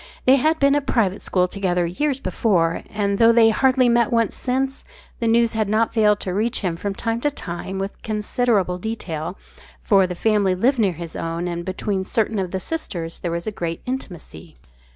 They had been at a private school together years before, and though they had hardly met once since, the news had not failed to reach him from time to time with considerable detail, for the family lived near his own and between certain of the sisters there was great intimacy.